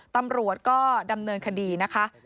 ตำรวจก็ดำเนินคดีนะคะ